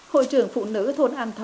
hội trưởng phụ nữ thôn an thọ